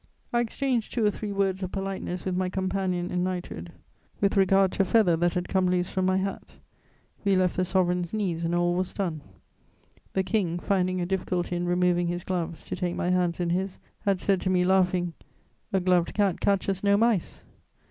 I exchanged two or three words of politeness with my companion in knighthood, with regard to a feather that had come loose from my hat. We left the Sovereign's knees, and all was done. The King, finding a difficulty in removing his gloves to take my hands in his, had said to me, laughing: "A gloved cat catches no mice."